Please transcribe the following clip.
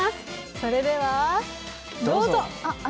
それではどうぞ。